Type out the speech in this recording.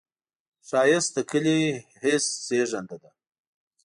ښایست د ښکلي حس زېږنده ده